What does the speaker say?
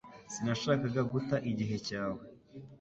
Sinashakaga guta igihe cyawe